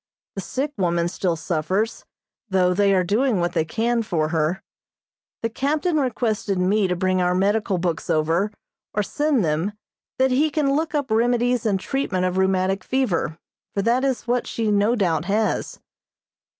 The sick woman still suffers, though they are doing what they can for her. The captain requested me to bring our medical books over, or send them, that he can look up remedies and treatment of rheumatic fever, for that is what she no doubt has.